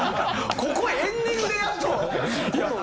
ここエンディングでやっと？